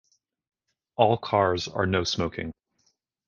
All cars are no smoking.